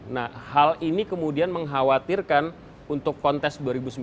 nah hal ini kemudian mengkhawatirkan untuk kontes dua ribu sembilan belas